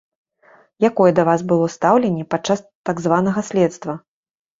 Якое да вас было стаўленне падчас так званага следства?